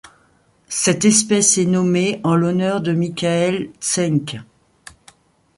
Cette espèce est nommée en l'honneur de Michael Tschenk.